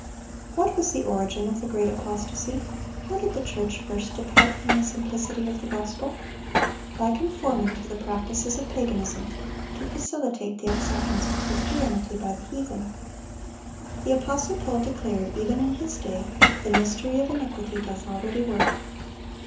What was the origin of the great apostasy? How did the church first depart from the simplicity of the gospel? By conforming to the practices of paganism, to facilitate the acceptance of Christianity by the heathen. The apostle Paul declared, even in his day, "The mystery of iniquity doth already work."